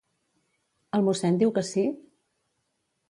El mossèn diu que sí?